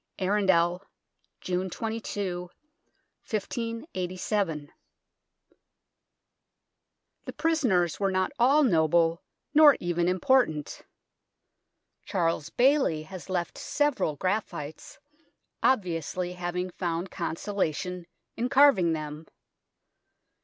Arundell, June 22, 1587. The prisoners were not all noble, nor even important. Charles Bailly has left several graphites, obviously having found consolation in carving them.